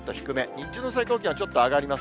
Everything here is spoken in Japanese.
日中の最高気温はちょっと上がります。